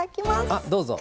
あどうぞ。